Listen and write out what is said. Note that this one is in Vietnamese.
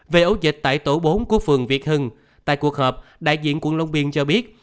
về ấu dịch tại tổ bốn của phường việt hưng tại cuộc họp đại diện quận long biên cho biết